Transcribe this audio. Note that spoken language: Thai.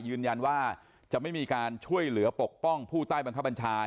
ยืนยันว่าจะไม่มีการช่วยเหลือปกป้องผู้ใต้บังคับบัญชา